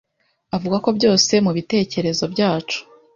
avuga ko byose mubitekerezo byacu.